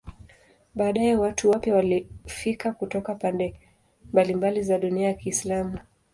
Baadaye watu wapya walifika kutoka pande mbalimbali za dunia ya Kiislamu.